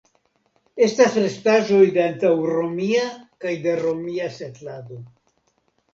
Estas restaĵoj de antaŭromia kaj de romia setlado.